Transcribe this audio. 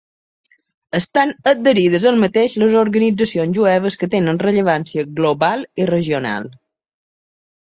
Estan adherides al mateix les organitzacions jueves que tenen rellevància global i regional.